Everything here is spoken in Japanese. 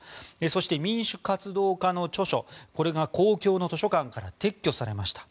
そして民主活動家の著書が公共の図書館から撤去されました。